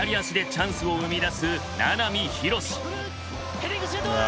ヘディングシュート！